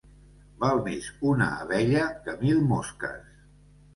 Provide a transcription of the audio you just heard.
Val més una abella que mil mosques.